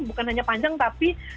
bukan hanya panjang tapi